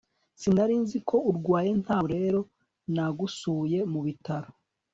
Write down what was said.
sinari nzi ko urwaye, ntabwo rero nagusuye mubitaro